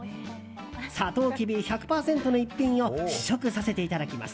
サトウキビ１００％の逸品を試食させていただきます。